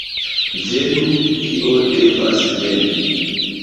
Venu, kio devas veni!